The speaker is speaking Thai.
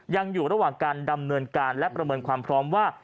ยังอยู่ระหว่างการดำเนินการและประเมินความพร้อมว่า